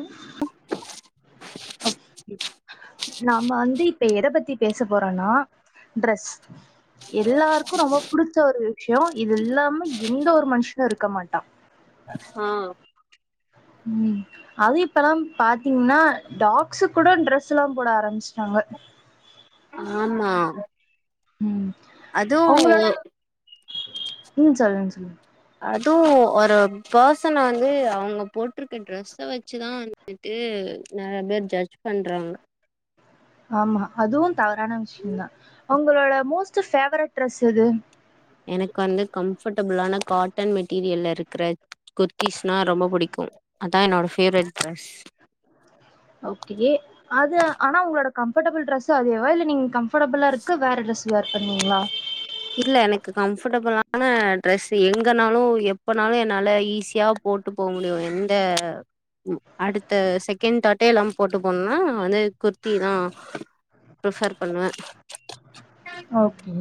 ம் [inaudible] நாம வந்து இப்ப எத பத்தி பேச போறோம்னா டிரஸ் எல்லார்க்கு ரொம்பொ புடிச்ச ஒரு விஷ்யோ இதில்லாம எந்த ஒரு மனுஷ்னு இருக்க மாட்டா ஆ ம் அது இப்ப லாம் பாத்தீங்ன்னா டாக்ஸுக் கூட ட்ரெஸ்லாம் போட ஆரம்பிச்ட்டாங்க ஆமா ம் அது ஒ உங்களோட ம் சொல்லுங் சொல்லுங் அது ஒரு பேர்சன வந்து அவுங்க போட்ருக்க ட்ரெஸ்ஸ வச்சுதா வந்ட்டு நெறைய பேர் ஜட்ஜ் பண்றாங்க ஆமா அதுவு தவறான விஷியந்தா உங்களோட மோஸ்ட்டு ஃபேவரெட் ட்ரெஸ் எது எனக் வந்து கம்ஃபர்ட்டபுளான காட்டன் மெட்டீரியல்ல இருக்குற குர்த்தீஸ்னா ரொம்பொ புடிக்கு அதான் என்னோட ஃபேவ்ரெட் ட்ரெஸ் ஓகே அது ஆனா உங்களோட கம்ஃபர்டபுள் ட்ரஸ்ஸு அதேவா இல்ல நீங் கம் ஃப்ரபுலா இருக்க வேற டரெஸ் வியர் பண்வீங்ளா இல்ல எனக்கு கம்ஃபர்டபுளான ட்ரஸ்ஸு எங்கனாலு எப்பொனாலு என்னால ஈஸியா போட்டு போ முடியு எந்த ம் அடுத்த செகேண் டாட்டே இல்லாம போட்டு போனுனா வந்து குர்த்திதா ப்ரிஃபர் பண்வ ஓகே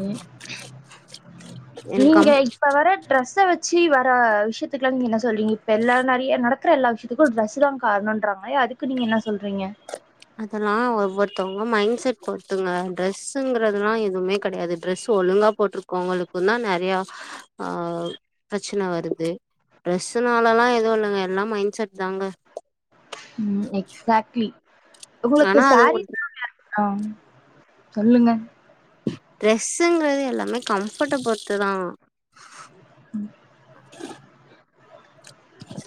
எனக்கு நீங்க கம் இப்ப வர ட ட்ரெஸ்ஸ வச்சி வர விஷ்யத்துக்லா நீங்கென்ன சொல்றீங்க இப்பெல்லார் நறிய நடக்ற எல்லா விஷயத்துக்கு டிரஸ்ஸு தா கார்ணுன்றாங்ளே அதுக்கு நீங்க என்ன சொல்றீங்க அதல்லா ஒவ்வொருத்தவுங்க மைண்ட் சட் பொருத்துங்க ட்ரெஸ்ஸுங்குறதுலா எதுமே கடையாது ட்ரெஸ்ஸு ஒழுங்கா போட்ருக்கவுங்களுக்குந் தா நெறையா ஆ ப்ரெச்சன வருது ட்ரெஸ்ஸுனால லா எது இல்லங்க எல்லா மைண்ட் செட் தாங்க ம் எக்ஸாக்ட்லி உங்களுக்கு ஆனா அதுவு ஒன் சாரீஸ்லா வேர் ஆ சொல்லுங்க ட்ரெஸ்ஸுங்குறது எல்லாமே கம்ஃபர்ட்ட பொறுத்துதா ம்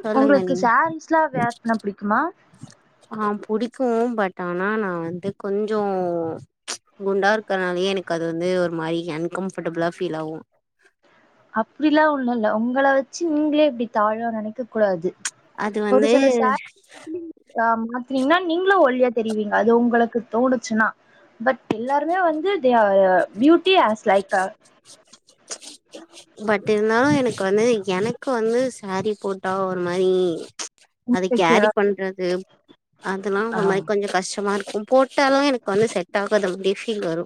சொல்லுங்க உங்களுக்கு நீங்க சாரீஸ்லா வேர் பண்ண புடிக்குமா கு பட் ஆனா நா வந்து கொஞ்சோ குண்டா இருக்கறனாலையே எனக்கது வந்து ஒரு மாரி அன்கம்ஃபர்டபுளா ஃபீல் ஆவு அப்டிலா ஒண்ணுல்ல உங்கள வச்சு நீங்ளே இப்டி தாழ்வா நெனைக்க கூடாது அது வந்து அம் மாத்னீங்ன்னா நீங்களு ஒல்யா தெரியுவீங்க அது உங்களுக்கு தோணுச்சுன்னா பட் எல்லாருமே வந்து தே ஆ அ பியூட்டி ஆஸ் லைக்கு பட் இருந்தாலு எனக் வந்து எனக்கு வந்து சேரீ போட் ட்டா ஒரு மாரி அத கேரி இன்செக்யூரா ஃபீல் பண்றது அதுல்லா ஆ ஒரு மாரி கொஞ்சொ கஷ்டமா இருக்கும் போட்டாலு எனக் வந்து செட் ஆகத மாரி ஃபீல் வரு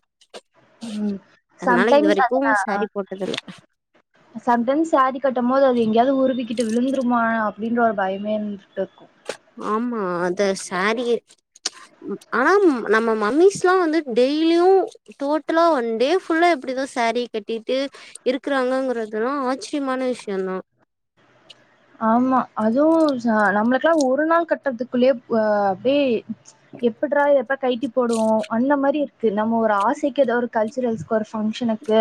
ம் அதனால இது சம்டைம்ஸ் அது வரைக்கு நா சாரீ போட்டதில்ல சம்டைம் சாரி கட்டும் போது அது எங்யாவது உருவி கிட்டு விழுந்துருமா அப்டின்ற ஒரு பயமே இருந்துர்க்கு ஆமா அது சாரீ ஆனா ம் நம்ம மம்மீஸ்லா வந்து டெய்லியு டோட்டலா வன் டே ஃபுல்லா எப்டிதா சேரீ கட்டீட்டு இருக்குறாங்கங்குறதுல்லா ஆச்சியமான விஷ்யோந்தா ஆமா அதுவு ச நம்ளுக்லா ஒரு நாள் கட்டற்துக்குள்ளியே வ அப்டி எப்புட்றா எப் ப்ப கைட்டி போடுவோ அந்த மாரி இருக்கு நம்ம ஒரு ஆசைக்கு எதோ ஒரு கல்சுரல்சுக்கு ஒரு ஃபங்ஷனுக்கு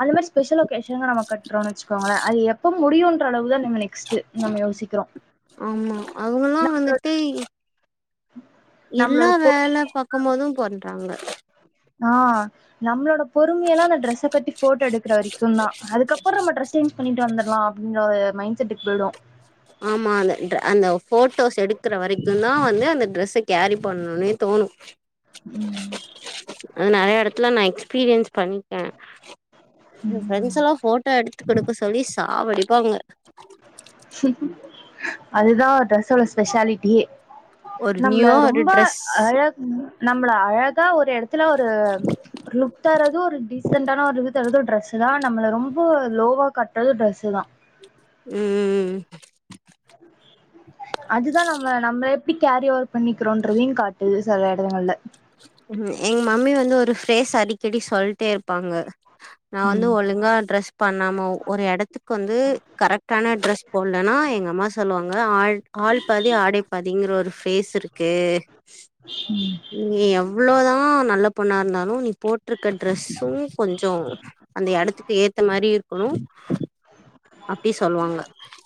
அந்த மாரி ஸ்பெஷல் ஒகேஷன்கு நாம கட்ரோமனு வச்சுக்கோங்கள அது எப்ப முடியுன்ற அளவு தா நம்ம நெ ஆமா அவுங்கல்லா வந்துட்டு எல்லா நம்மளோட பொ வேல பாக்கும்போது பண்றாங்க ஆஹ் நம்ளோட பொறுமையல்லா அந்த டிரெஸ கட்டி போட்டோ எடுக்கற வரைக்குந்தா அதுக்கபபுற நம்ம ட்ரெஸ் சேஞ் பண்ணிட்டு வந்துடலா அப்டின்ற ஒரு மைண்ட் செட்டுக்கு போயிடு ஆமா அந்த அந்த போட்டோஸ் எடுக்கிற வரைக்குந்தா வந்து அந்த ட்ரெஸ்ஸ கேரி பண்ணணும்னே தோணு ம் அது நெறைய எடத்துல நா எக்ஸ்பீரியன்ஸ் பண்ணிட்ட சொல போ ம் பிரண்ட்ஸ்லா போ ட்ட எடுத்துக்கொடுக்க சொல்லி சாவடிப்பாங்க அதுதா ட்ரெஸ்சோட ஸ்பெஷாலிட்டியே ஒரு நம்மள நியூவா ஒரு ரொம்ப ட்ரெஸ் அழகு நம்ளை அழ க்கா ஒரு எடத்துல ஒரு லுத்தரு டீசண்டான ஒரு டிரரெஸ்ஷுதா நம்மள ரொம்ப லோவா கட்டுறது டிரெஸ்சுதா உம் உம் உம் அதுதா நம்மள நம்மள எப்படி கேரி ஓவர் பண்ணிக்கிறோன்றதையு காட்டுது செல எடங்கள்ல உம் எங்க மம்மி வந்து ஒரு ப்ரேஷ் அடிக்கடி சொல்ட்டேருப்பாங்க நா வந்து ம் ஒழுங்கா ட்ரெஸ் பண்ணாம ஒரு எடத்துக்கு வந்து து கரெக்டான ட்ரெஸ் போட்லன்னா எங்க அம்மா சொல்வாங் அதா ஆள் ஆள் பாதி ஆடை பாதிங்ற ஒரு ஃபேசுரு [inaudible] நீ எவ்ளோ எவ்ளோ தா நல்ல பொண்ணா இருந்தாலு நீ போட்ருக்க ட்ரெஸ் து கொஞ்சோ அந்த எடத்துக் ஏத்த மாரி இருக்கணு அப்டி சொல்வாங்க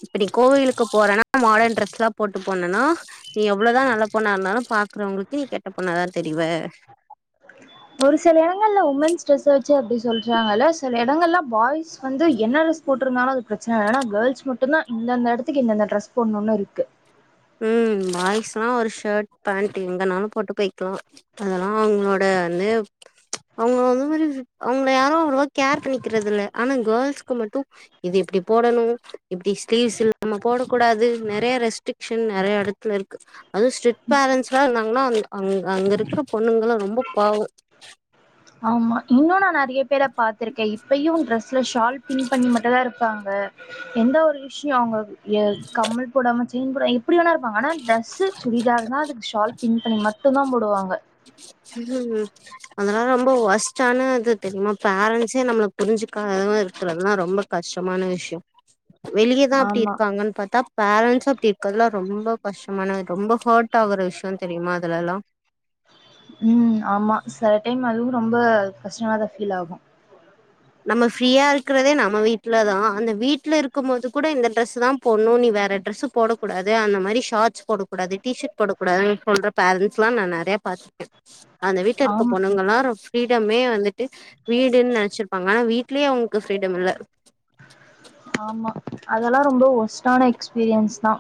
இப்படி கோயிலுக்கு போறனா மாடர்ன் ட்ரெஸ்லா போட்டு போனனா நீ எவ்ளோதா நல்ல பொண்ணா இருந்தாலு பாக்குறவங்களுக்கு நீ கெட்ட பொண்ணாதா தெரிவ ஒரு சில எடங்கள்ல்ல உமன் ஸ்ட்ரெஸ் வ சோ அப்டி சொல்றாங்கல்ல செல எடங்கள்ல்லா பாய்ஸ் வந்து என்ன ட்ரெஸ் போட்டிருந்தாலு அது பிரச்சன ஏன்னா கேர்ள்ஸ் மட்டுந்தா இந்தந்த எடத்துக்கு இந்தெந்த ட்ரெஸ் போடணுனு இருக்கு உம் பாய்ஸ்லா ஒரு ஷர்ட் பேண்ட் எங்கனாலு போட்டு போய்க்கலா அதெல்லா அவங்களோட வந்து ப்ச் அவுங்க வந்த மாரி அவங்கள யாரும் அவ்ளோ கேர் பண்ணிக்கிறதில்ல ஆனா கேள்ஸ்க்கு மட்டும் இது இப்படி போடணும் இப்படி ஸ்லீவ்ஸ் இல்லாம போடக்கூடாது நெறைய ரெஸ்ட்ரிக் ஷின் நெறைய எடத்துல இருக்கு அதுவு ஸ்ட்ரிக் பேரன்ஸ்லா இருந்தாங்கன்னா அங் அங் அங்கிருக்கிற பொண்ணுங்கலாம் ரொம்ப பாவம் ஆமா இன்னு நா நெறைய பேர பாத்திருக்கே இப்பையு டிரெஸ்ல ஷால் பின் பண்ணி மட்டு தா இருப்பாங்க எந்த ஒரு விஷயு அவங்க எ கம்மல் போடாம செயின் போடா எப்பிடி வேணா இருப்பாங்க ஆனா சில்க் சுடிதார் னா அதுக்கு ஷால் பின் பண்ணி மட்டு தா போ போவாங்க இன்னொன்னு அதெல்லா ரொம்ப ஒர்ஸ்ட்டானது தெரியுமா பேரண்ஸே நம்மள புரிஞ்சுக்காம இருக்கறதுல்லா ரொம்ப கஷ்டமான விஷய வெளியேதா அப்படி ஆமா இருக்காங்கன் பாத்தா பேரண்சு அப்படி இருக்கறதுலா ரொம்ப கஷ்டமான ரொம்ப ஹட் ஆகுற விஷய தெரியுமா அதுலல்லா உம் ஆமா செல டைம் அதுவு ரொம்ப கஸ்டமாதா ஃபீல் ஆகு நம்ம ஃப்ரீயா இருக்கிறதே நம்ம வீட்ல தா அந்த வீட்டுல இருக்கும் போது கூட இந்த டிரெசு தா போடணு நீ வேற டிரெசு போடக்கூடாது அந்த மாரி ஷார்ட்ஸ் போடக்கூடாது டி ஷர்ட் போடகூடாதுன்னு சொல்ற பேரண்ட்ஸ் ல்லா நா நெறைய பாத்துருக்கே அந்த வீட்ல இருக்க ஆம் பொண்ணுங்கல்லா ஃப்ரீடமே வந்துட்டு வீடுன் நெனைச்சிரு ஆனா வீட்லியே அவுங்க்கு ஃப்ரீடம் இல்ல ஆமா அதெல்லா ரொம்ப ஒஸ்ட்டான எக்ஸ்பீரியன்ஸ் தா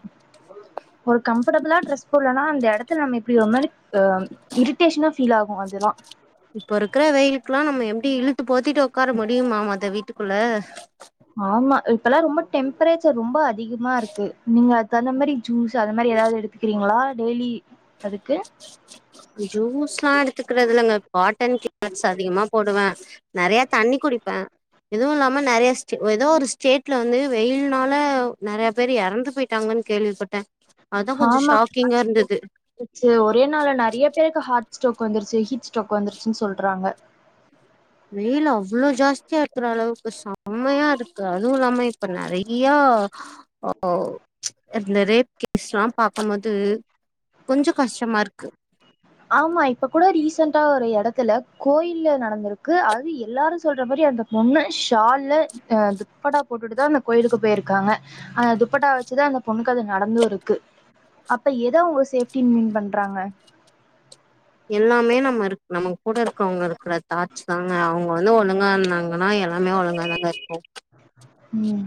ஒரு கம்ஃபடபுளா ட்ரெஸ் போட்லனா அந்த எடத்தல நம்ம இப்டி ஒரு மாரி அ இரிட்டேஷ்னா ஃபீல் ஆகு அதுல்லா இப்ப இருக்ற வெயிலுக்ல்லா நம்ம எப்டி இழு போத்திட்டு ஒக்கார முடியுமா மொத வீட்டு புள்ள ஆமா இப்பெல்லா ரொம்ப டெம்ப்ரேச்சர் ரொம்ப அ திகமா இருக்கு நீங்க தந்த மாரி ஜூஸு அத மாரி எதாவ்து எடுத்துக்கிறீங்ளா டெய்லி அதுக்கு ஜூஸ்லா எடுத்துக்றதில்லங்க காட்டன் [inaudible] அதிகமா போடுவே நறையா தண்ணி குடிப்பே இதுவு இல்லாம நெறையஸ்ச் ஒ எதோ ஒரு ஸ்டேட்ல வந்து வெயில்னால நறையா பேரு எறந்து போயிட்டாங்கன் கேள்விப்பட்டே அதா கொஞ்ச ஷாக்கிங்காருந்தது இது ஒரே நாள்ல நறைய பேருக்கு ஹாட் ஸ்டோக் வந்துருச்சு ஹீட் ஸ்டோக் வந்துருச்சுன் சொல்றாங்க வெயில் அவ்வுளோ ஜாஸ்தியா இருக்ற அளவுக்கு செம்மையா இருக்கு அதுவு இல்லாம இப்ப நறைய ஒ ஓ இந்த ரேப் கேஸ்லாம் பாக்கம் மோது கொஞ்சோ கஷ்டமாருக்கு ஆமா இப்ப கூட ரீசெண்டா ஒரு எ எத்துல கோயில்ல நடந்திருக்கு அது எல்லாரு சொல்ற மாரி அந்த பொண்ணு ஷால்ல அ துப்படா போட்டுட்டு தா அந்த கோயிலுக்கு போய்ருக்காங்க அந்த துப்பட்டா வெச்சிதா அந்த பொண்ணுக்கு அது நடந்து இருக்கு அப்ப எத அவுங்க சேஃப்டின் மீன் பண்றாங்க எல்லாமே நம்ம இருக் நமக் கூட இருக்கவங்க இருக்கிற தாட்ச் தாங்க அவுங்க வந்து ஒழுங்கா இந்தாங்கனா எல்லாமே ஒழுங்காதாங்க இர்க்கு ம்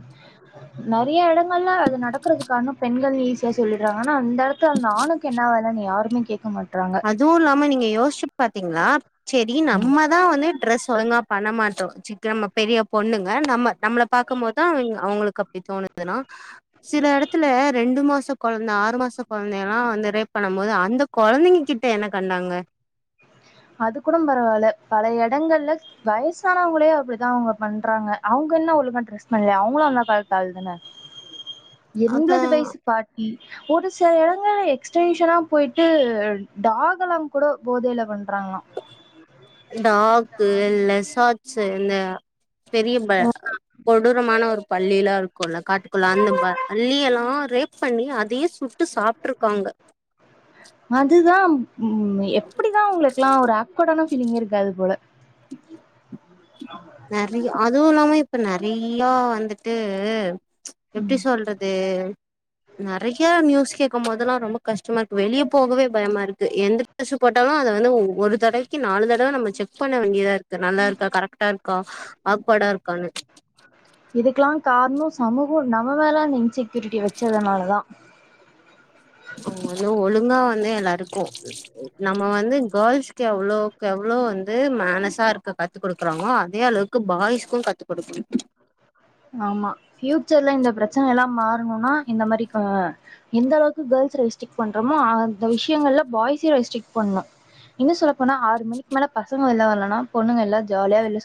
நறையா எடங்கள்ல அது நடக்கறதுக்கானோ பெண்கள் ஈஸியா சொல்லிர்றாங்க ஆனா இந்த எடத்துல அந்த ஆணுக்கு என்ன வேலைன் யாருமே கேக்க மா அதுவு இல்லாம நீங்க யோசிச்சு ப திங்ளா சேரி நம்மதா வந்து டிரஸ் ஒழுங்கா பண்ண மாட்டோ சிக்கனம்ம பெரிய பொண்ணுங்க நம்ம நம்மள பாக்க மோத்தா அவிங் அவுங்களுக்கு அப்டி தோணுதுன்னா சில எடத்துல ரெண்டு மாச கொழந்த ஆறு மாச கொழந்தை எல்லா வந்து ரேப் பண்ணம் போது அந்த கொழந்தைங்க கிட்ட என்ன கண்டாங்க அது கூடம் பரவால பல எடங்கள்ல வயசானவங்களே அப்பிடிதா அவுங்க பண்றாங்க அவுங்க என்ன ஒழுங்கா ட்ரெஸ் பண்லியா அவுங்குளு அந்த காலத்து ஆள் தான அதா எண்ப்ளது வய்சு பாட்டி ஒரு சில் எடங்கல எக்ஸ்டென்ஷனா போய்ட்டு டாகல்லாங் கூட போதைல வந் டாகு லெசா [unintelligible] பெரிய ப கொடூரமான ஒரு பள்ளிலா இருக்குல்ல காட்டுக்குள்ள அந்த ப அள்ளி எல்லா ரேப் பண்ணி அதையே சுட்டு சாப்ட்ருக்காங்க அதுதான் ம் எப்டிதா உங்களுக்லாம் ஒரு ஆப் கோடான ஃபலிங் இருக்காது போல [inaudible] நெறை அதுவு இல்லாம இப் ப்ப நெறையா வந்துட்டு எப்டி சொல்றது நெறையா நியூஸ் கேக் குமோதல்லா ரொம்ப கஷ்டமா இருக்கு வெளிய போகவே பயமா இருக்கு எந்த டெஸ்ஸு போட்டாலு அத வந்து ஒ ஒரு தடவைக்கி நாலு தடவ நம்ம ச்செக் பண்ண வேண்டியதா இருக்கு நல்லா இருக்கா க ட்டா இருக்கா ஆக்வடா இருக்கான்னு கார்ணோ சமூகோ நம்ம மேல இந்த இன்செக்யூரிட்டிய வேச்சதனாலதா ஓ [inaudible] ஒழுங்கா வ ந்தே எல்லாருக்கு நம்ம வந்து கேர்ள்ஸ்க்கு எவ்ளோக்கெவ்ளோ வந்து மேனசா இருக்க கத்து குடுக்குறாங்ளோ அதே அளவுக்கு பாய்ஸ்க்கு கத்து குடுக்கணு சா எல்லா மாறணுன்னா இந்த மாரி க எந்த அளவுக்கு கேர்ள்ஸ ரெஸ்ட்ரிக்ட் பண்றமோ அந்த விஷியங்கள்ல பாய்ஸியு ரெஸ்ட்ரிக்ட் பண்ணு இன்னு சொல்ல போனா ஆறு மணிக் மேல பசங்க வெள்ள வர்லனா பொண்ணுங்க எல்லா ஜாலியா வெள்ள சு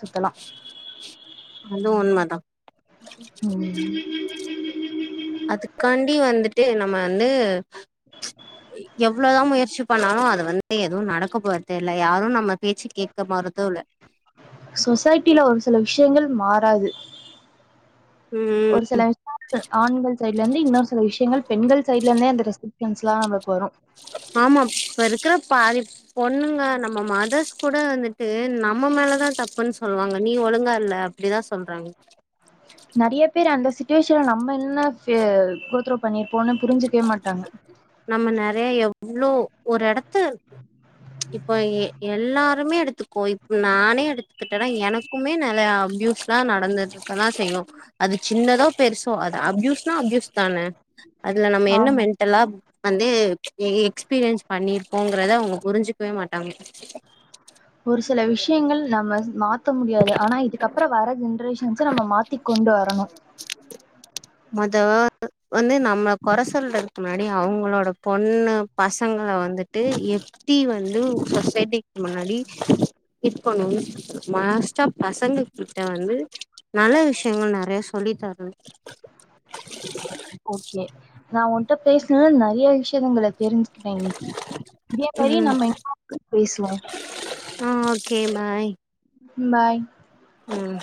அது உன்மதா ம் அதுக்காண்டி வந்துட்டு நம்ம வந்து இ எவ்ளதா முயற்சி பண்ணாலு அது வந்து எதுவு நடக் க்க போற்து இல்ல யாரு நம்ம பேச்சு கேக்க மாறுதூல்ல சொசைட்டில ஒரு சில விஷயங்கள் மாறாது ம் ஒரு சில [unintelligible] ஆண்கள் சை ல்ல இந்து இன்னோர் சில விஷயங்கள் பெண்கள் சைட்லிந்தே அந்த [unintelligible] லா வரு ஆமா இப்ப இருக்குற பாதி பொண்ணுங்க நம்ம மதஸ் கூட வந்துட்டு நம்ம மேலதா தப்புன் சொல்வாங்க நீ ஒழுங்கா இல்ல அப்டிதா சொல்றாங்க நறியப் பேர் அந்த சுட்டிவேஷன்ல நம்ம என்ன ஃபே குடுத்ரூ பண்ணிற் போண்ணு புரிஞ்சுக்வே மாட்டாங்க நம்ம நெறைய ஒரு எடத்து இப்ப எ எல்லாருமே எடுத்துக்கோ இப் நானே எடுத்துக்குட்டனா எனக்குமே நலயா அப்யூஸ் லா நடந்துர்கதா செய்யு அது சின்னதோ பெருசோ அது அப்யூஸ்னா அப்யூஸ் தான அதுல நம்ம என்ன ஆமா மெண்ட்டலா வந்து எ எக்ஸ்பீரியன்ஸ் பண்ணிற்ப்போங்றத அவுங்க புரிஞ்சுக்வே மாட்டாங்க ஒரு செல விஷ்யங்கள் நம்மள் மாத் த்த முடியாது ஆனா இதுக்கப்பற வர ஜென்ரேஷ் ஞ்ச நம்ம மாத்தி கொண்டு வரனு மொதோ வந்து நம்ம கொற சொல்றதுக் முன்னாடி அவுங்களோட கண்ணு பசங்ள வந்துட்டு எப்டி வந்து சொசைட்டிக் முன்னடி இப்பொழுது மாஸ்ட்டா பசங்க கிட்ட வந்து நல்ல விஷ்யங்கள் நறைய சொல்லி தரனு ஔகே நா ஒன் ட்ட பேஸ்னுல நறியா விஷ்‌ டிவிங்கிள தெரிஞ்சுக்கிட்ட இன்னிக்கி கோயி ம் நம்ம [inaudible] பேசுவோ கே பாய் பாய் ம்